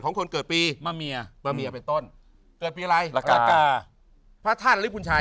คนเกิดปีมาเมียมาเมียเป็นต้นเกิดปีอะไรละกาพระท่านฤทธิ์พุทธชัย